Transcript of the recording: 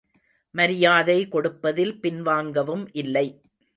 மரியாதை கொடுப்பதில் பின்வாங்கவும் இல்லை.